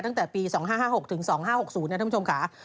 ตั้งแต่ปี๒๕๕๖ถึง๒๕๖๐นะท่านผู้ชมค่ะ